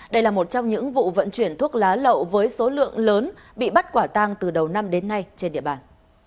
đây là một trong những vụ vận chuyển thuốc lá lậu với số lượng lớn bị bắt quả tang từ đầu năm đến nay trên địa bàn